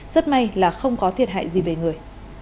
rất may là không có thiệt hại gì về người